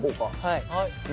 はい。